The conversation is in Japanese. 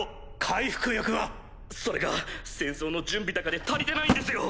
回復薬は⁉それが戦争の準備だかで足りてないんですよ！